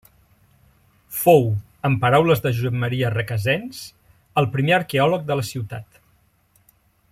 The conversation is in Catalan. Fou, en paraules de Josep Maria Recasens, el primer arqueòleg de la ciutat.